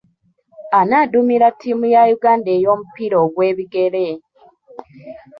Ani aduumira ttiimu ya Uganda ey'omupiira ogw'ebigere?